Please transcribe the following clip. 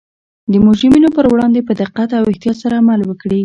د مجرمینو پر وړاندې په دقت او احتیاط سره عمل وکړي